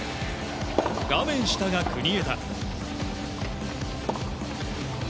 画面下が国枝。